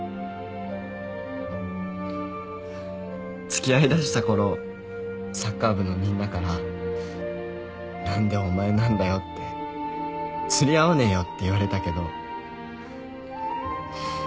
付き合いだしたころサッカー部のみんなから何でお前なんだよって釣り合わねえよって言われたけど。